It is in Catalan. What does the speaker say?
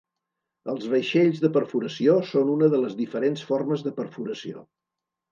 Els vaixells de perforació són una de les diferents formes de perforació.